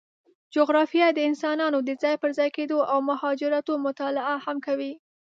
جغرافیه د انسانانو د ځای پر ځای کېدو او مهاجرتونو مطالعه هم کوي.